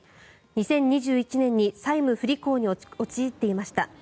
２０２１年に債務不履行に陥っていました。